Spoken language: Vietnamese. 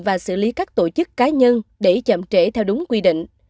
và xử lý các tổ chức cá nhân để chậm trễ theo đúng quy định